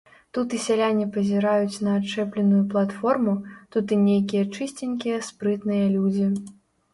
Тут і сяляне пазіраюць на адчэпленую платформу, тут і нейкія чысценькія спрытныя людзі.